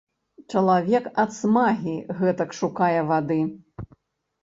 Чалавек ад смагі гэтак шукае вады.